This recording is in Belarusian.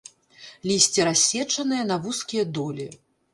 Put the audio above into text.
Лісце рассечанае на вузкія долі.